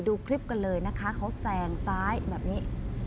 ดูคลิปกันเลยนะคะเขาแซงซ้ายแบบนี้